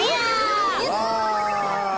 やった！